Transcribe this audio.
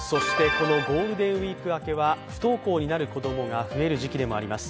そしてこのゴールデンウイーク明けは不登校になる子供が増える時期でもあります。